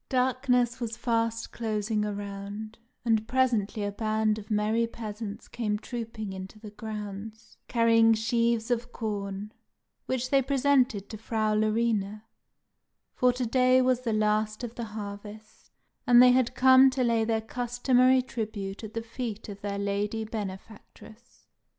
Darkness was fast closing around, and presently a band of merry peasants came trooping into the grounds, carrying sheaves of corn, which they presented to Frau Larina, for to day was the last of the Harvest, and they had come to lay their customary tribute at the feet of their Lady Benefactress.